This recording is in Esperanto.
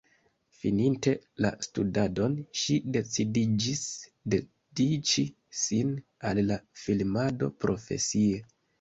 Fininte la studadon ŝi decidiĝis dediĉi sin al la filmado profesie.